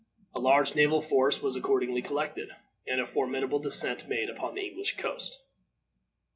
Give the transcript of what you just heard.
A large naval force was accordingly collected, and a formidable descent made upon the English coast.